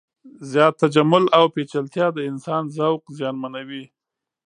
زیات تجمل او پیچلتیا د انسان ذوق زیانمنوي.